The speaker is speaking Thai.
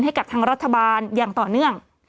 ให้กับทางรัฐบาลอย่างต่อเนื่อง